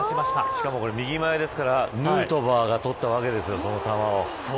しかも右前ですからヌートバーが捕ったわけですよ